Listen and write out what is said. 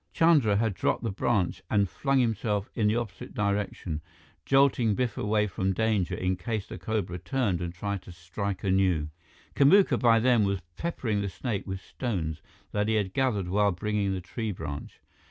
Chandra had dropped the branch and flung himself in the opposite direction, jolting Biff away from danger in case the cobra turned and tried to strike anew. Kamuka, by then, was peppering the snake with stones that he had gathered while bringing the tree branch.